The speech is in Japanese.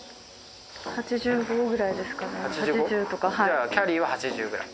じゃあキャリーは８０くらい？